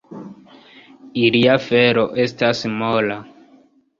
Ilia felo estas mola.